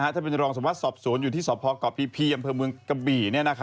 ท่านเป็นรองสมรสสอบสวนอยู่ที่สพเกาะพีอำเภอเมืองกะบี่